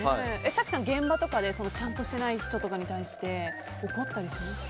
早紀さん、現場とかでちゃんとしてない人とかに対して怒ったりします？